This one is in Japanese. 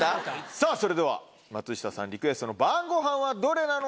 さぁそれでは松下さんリクエストの晩ごはんはどれなのか？